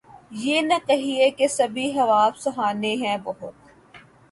یہ نہ کہیے کہ سبھی خواب سہانے ہیں بہت